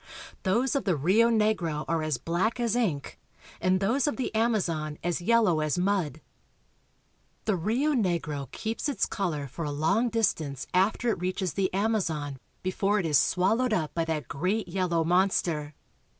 Those of the Rio Negro are as black as ink, and those of the Amazon as yellow as mud. TRIP ON THE AMAZON. 325 The Rio Negro keeps its color for a long distance after it reaches the Amazon before it is swallowed up by that great yellow monster.